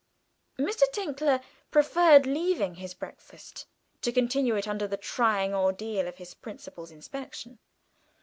Mr. Tinkler preferred leaving his breakfast to continuing it under the trying ordeal of his principal's inspection.